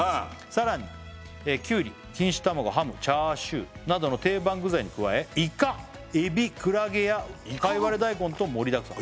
「さらにきゅうり錦糸卵ハム」「チャーシューなどの定番具材に加え」「イカエビクラゲやかいわれ大根と盛りだくさん」